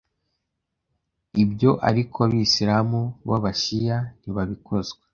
Ibyo ariko Abisilamu b’Abashiya ntibabikozwa